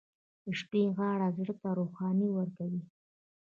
• د شپې دعا زړه ته روښنایي ورکوي.